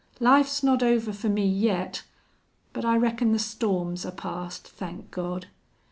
Life's not over fer me yet. But I reckon the storms are past, thank God!...